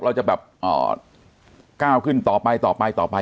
เรากระทั่วขึ้นต่อไพรต่อไป